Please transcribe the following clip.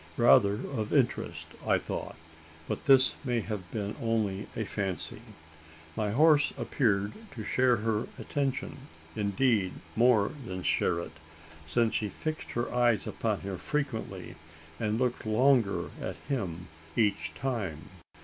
Rather of interest, I thought; but this may have been only a fancy. My horse appeared to share her attention indeed, more than share it: since she fixed her eyes upon him frequently, and looked longer at him each time!